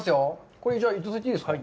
これじゃあいただいていいですか。